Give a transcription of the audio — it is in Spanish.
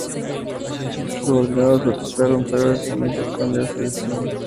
Sus subordinados protestaron pero eso no hizo que cambiara su decisión.